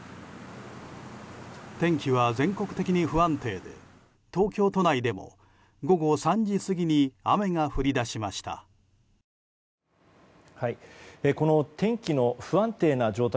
天気は全国的に不安定で東京都内でも午後３時過ぎに雨が降り出しました。